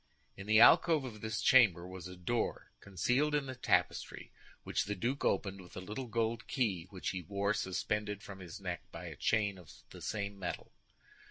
In the alcove of this chamber was a door concealed in the tapestry which the duke opened with a little gold key which he wore suspended from his neck by a chain of the same metal.